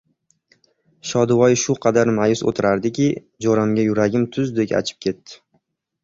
Shodivoy shu qadar ma’yus o‘tirardiki, jo‘ramga yuragim tuzdek achib ketdi.